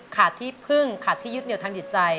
ที่พึ่งขาดที่ยึดเหนียวทางจิตใจ